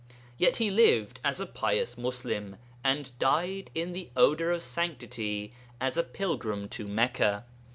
Yet he lived as a pious Muslim, and died in the odour of sanctity, as a pilgrim to Mecca.